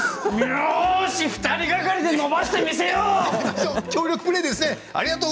よし、２人がかりでのばしてみせよう！